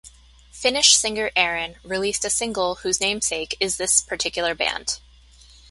Finnish singer Erin released a single whose namesake is this particular band.